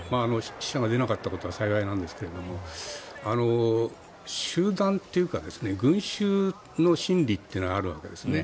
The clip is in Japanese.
死者が出なかったことは幸いなんですが集団というか群衆の心理というのはあるわけですね。